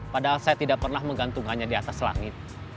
padahal saya tidak pernah menggantungkannya di atas langit